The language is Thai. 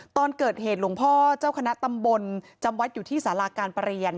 ตอนเกิดเหตุหลวงพ่อเจ้าคณะตำบลจำวัดอยู่ที่สาราการประเรียน